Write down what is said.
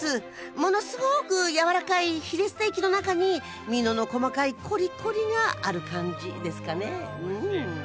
ものすごく柔らかいヒレステーキの中にミノの細かいコリコリがある感じですかねうん。